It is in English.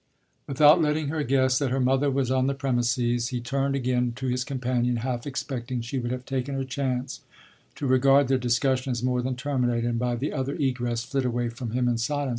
Without letting her guess that her mother was on the premises he turned again to his companion, half expecting she would have taken her chance to regard their discussion as more than terminated and by the other egress flit away from him in silence.